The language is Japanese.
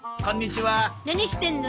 何してんの？